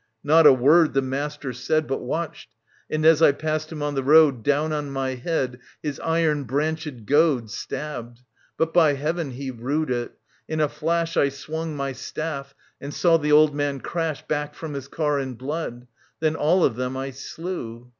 Not a word the master said, 46 TV. 808 828 OEDIPUS, KING OF THEur.s But watched, and as I passed him on the road Down on my head his iron branched goad Stabbed. But, by heaven, he rued it ! iii a flash I swung my staff and saw the old man crash Back from his car in blood. ,.. Then all of them I slew.